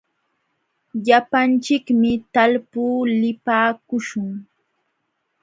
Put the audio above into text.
Llapanchikmi talpuu lipaakuśhun.